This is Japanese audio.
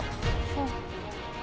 そう。